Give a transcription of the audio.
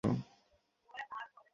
যাঁর উনূনের আগুন কখনো নিভে না।